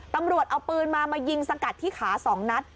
ตำรวจเอาปืนมามายิงสกัดที่ขา๒นัด